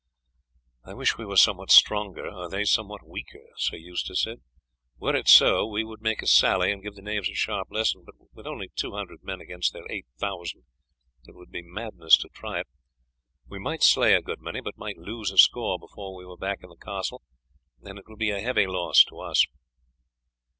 "I wish we were somewhat stronger, or they somewhat weaker," Sir Eustace said; "were it so, we would make a sally, and give the knaves a sharp lesson, but with only two hundred men against their eight thousand it would be madness to try it; we might slay a good many, but might lose a score before we were back in the castle, and it would be a heavy loss to us."